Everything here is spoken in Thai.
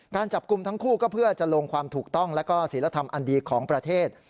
การจับกลุ่มทั้งคู่ก็เพื่อจะลงความถูกต้องและก็ศิลธรรมอันดีของประเทศ